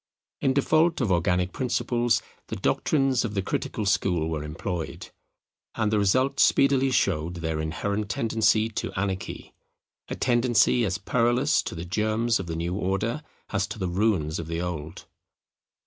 In default of organic principles the doctrines of the critical school were employed: and the result speedily showed their inherent tendency to anarchy; a tendency as perilous to the germs of the new order as to the ruins of the old.